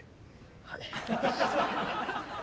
はい。